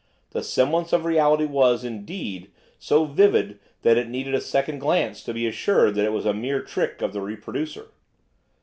The semblance of reality was, indeed, so vivid that it needed a second glance to be assured that it was a mere trick of the reproducer.